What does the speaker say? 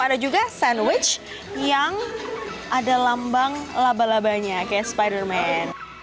ada juga sandwich yang ada lambang laba labanya kayak spiderman